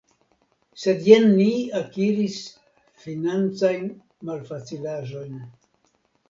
Sed jen ni akiris financajn malfacilaĵojn.